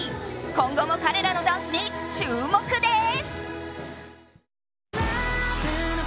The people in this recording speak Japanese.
今後も彼らのダンスに注目です。